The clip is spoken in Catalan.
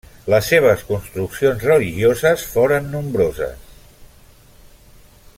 Les seves construccions religioses foren nombroses.